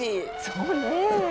そうね。